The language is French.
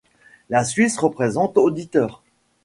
La Suisse représente auditeurs.